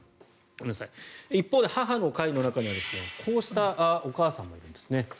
一方で母の会の中にはこうしたお母さんもいるんです。